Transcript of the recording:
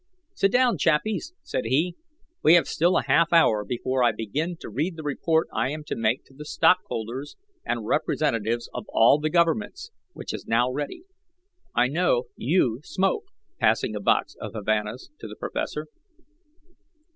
"Sit down, chappies," said he; "we have still a half hour before I begin to read the report I am to make to the stockholders and representatives of all the governments, which is now ready. I know YOU smoke," passing a box of Havanas to the professor.